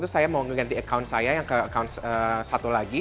saya ingin mengganti akun saya ke satu lagi